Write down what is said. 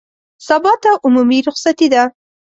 سبا ته عمومي رخصتي ده